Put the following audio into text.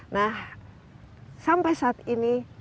nah sampai saat ini